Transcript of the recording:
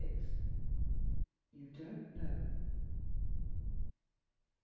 "You Don't Know."